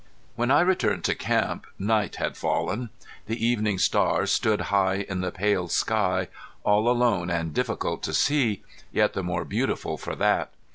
When I returned to camp night had fallen. The evening star stood high in the pale sky, all alone and difficult to see, yet the more beautiful for that.